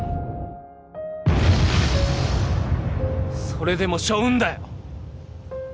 それでも背負うんだよ